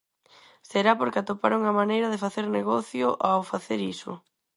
Será porque atoparon a maneira de facer negocio ao facer iso.